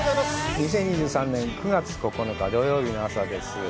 ２０２３年９月９日、土曜日の朝です。